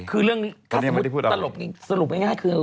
การสมุดทรลบสรุปง่ายง่ายคือ